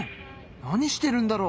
何してるんだろう？